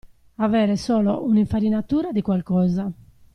Avere solo un'infarinatura di qualcosa.